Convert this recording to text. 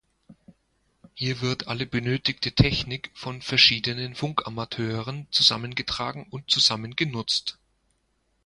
Hier wird alle benötigte Technik von verschiedenen Funkamateuren zusammengetragen und zusammen genutzt.